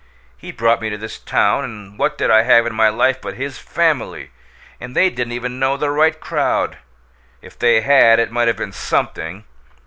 He brought me to this town, and what did I have in my life but his FAMILY? And they didn't even know the right crowd! If they had, it might have been SOMETHING!